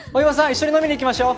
一緒に飲みに行きましょ。